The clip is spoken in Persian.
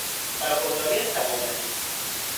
برخورداری از سلامتی